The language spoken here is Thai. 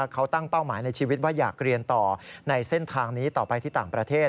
เขาตั้งเป้าหมายในชีวิตว่าอยากเรียนต่อในเส้นทางนี้ต่อไปที่ต่างประเทศ